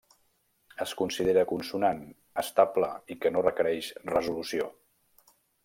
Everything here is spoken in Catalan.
Es considera consonant, estable, i que no requereix resolució.